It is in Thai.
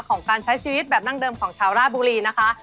ของการใช้ชีวิตแบบนั่งเดิมของชาวราบุรีนะคะ